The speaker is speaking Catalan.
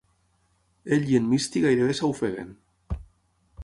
Ell i en Misty gairebé s'ofeguen.